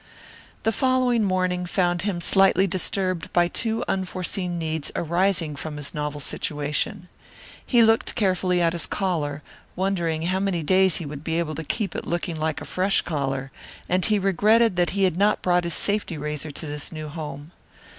The following morning found him slightly disturbed by two unforeseen needs arising from his novel situation. He looked carefully at his collar, wondering how many days he would be able to keep it looking like a fresh collar, and he regretted that he had not brought his safety razor to this new home.